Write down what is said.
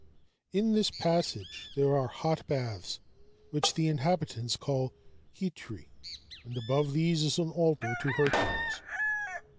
In this passage there are hot baths, which the inhabitants call "Chytri," and above these is an altar to Hercules.